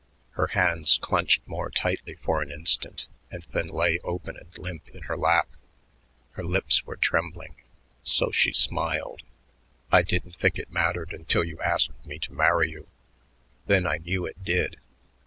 Her hands clenched more tightly for an instant and then lay open and limp in her lap. Her lips were trembling; so she smiled. "I didn't think it mattered until you asked me to marry you. Then I knew it did.